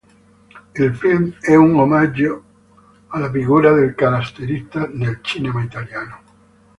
Il film è un omaggio alla figura del caratterista nel cinema italiano.